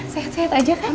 sehat sehat aja kan